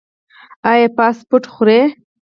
ایا فاسټ فوډ خورئ؟